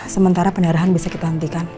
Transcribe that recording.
sementara pendarahan bisa kita hentikan